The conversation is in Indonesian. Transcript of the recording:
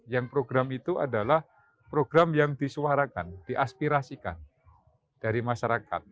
yang program itu adalah program yang disuarakan diaspirasikan dari masyarakat